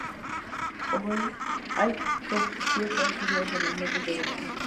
Hay copiosas lluvias en los meses de verano.